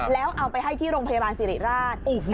แล้วเอาไปให้ที่โรงพยาบาลสิริราช